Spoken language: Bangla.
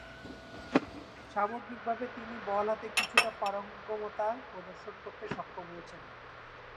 সামগ্রীকভাবে তিনি বল হাতে কিছুটা পারঙ্গমতা প্রদর্শন করতে সক্ষম হয়েছেন।